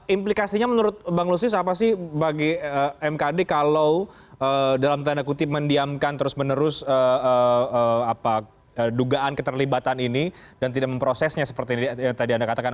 implikasinya menurut bang lusis apa sih bagi mkd kalau dalam tanda kutip mendiamkan terus menerus dugaan keterlibatan ini dan tidak memprosesnya seperti yang tadi anda katakan